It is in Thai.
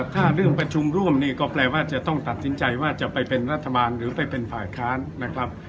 ถ้าเรื่องประชุมร่วมนี่ก็แปลว่าจะต้องตัดสินใจว่าจะไปเป็นรัฐบาลหรือไปเป็นฝ่ายค้านนะครับ